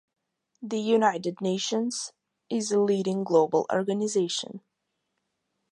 The United Nations is a leading global organization.